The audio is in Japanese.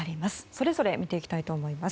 それぞれ見ていきたいと思います。